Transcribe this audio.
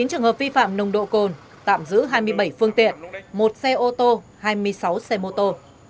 một mươi trường hợp vi phạm nồng độ cồn tạm giữ hai mươi bảy phương tiện một xe ô tô hai mươi sáu xe mô tô